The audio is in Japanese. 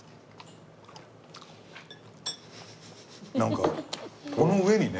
なんかこの上にね